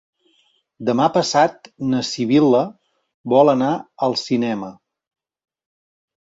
Demà passat na Sibil·la vol anar al cinema.